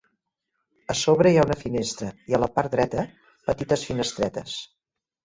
A sobre hi ha una finestra i a la part dreta petites finestretes.